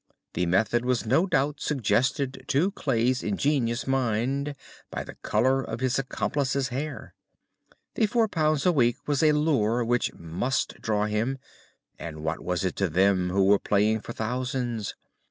The method was no doubt suggested to Clay's ingenious mind by the colour of his accomplice's hair. The £ 4 a week was a lure which must draw him, and what was it to them, who were playing for thousands?